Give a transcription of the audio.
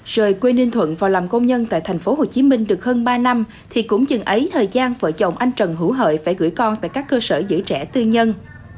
rời quê ninh thuận vào làm công nhân tại tp hcm được hơn ba năm thì cũng chừng ấy thời gian vợ chồng anh trần hữu hợi phải gửi con tại các cơ sở giữ trẻ tư nhân